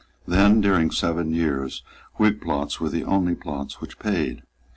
Then, during seven years, Whig plots were the only plots which paid.